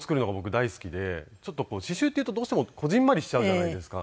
刺繍っていうとどうしてもこぢんまりしちゃうじゃないですか。